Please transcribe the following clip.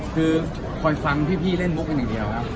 คือคอยฟังพี่เล่นมุกกันอย่างเดียวครับ